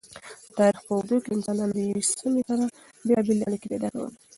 د تاریخ په اوږدو کی انسانانو د یوی سمی سره بیلابیلی اړیکی پیدا کولی